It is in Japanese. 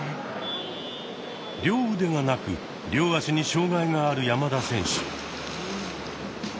両腕がなく両足に障害がある山田選手。